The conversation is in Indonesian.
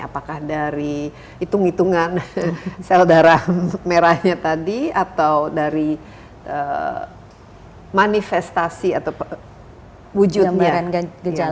apakah dari itung itungan sel darah merahnya tadi atau dari manifestasi atau wujudnya